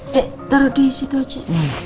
nek taruh di situ aja